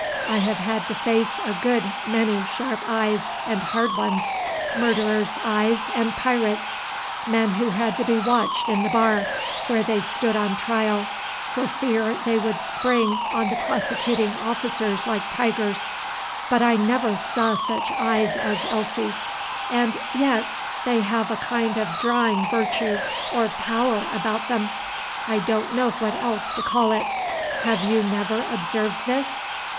I have had to face a good many sharp eyes and hard ones, murderers' eyes and pirates', men who had to be watched in the bar, where they stood on trial, for fear they should spring on the prosecuting officers like tigers, but I never saw such eyes as Elsie's; and yet they have a kind of drawing virtue or power about them, I don't know what else to call it: have you never observed this?"